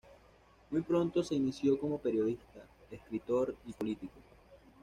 Muy pronto se inició como periodista, escritor y político.